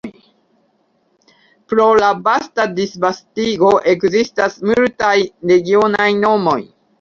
Pro la vasta disvastigo ekzistas multaj regionaj nomoj.